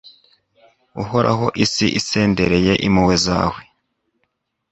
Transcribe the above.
Uhoraho isi isendereye impuhwe zawe